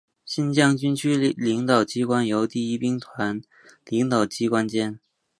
新疆军区领导机关由第一兵团领导机关兼。